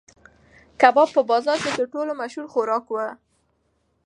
کباب په بازار کې تر ټولو مشهور خوراک و.